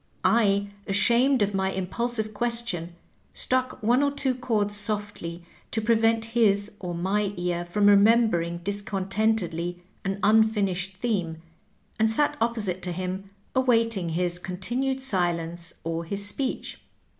I, ashamed of my impulsive question, struck one or two chords softly to prevent his or my ear from remembering discontentedly an un finished theme, and sat opposite to him awaiting his continued silence or his speech.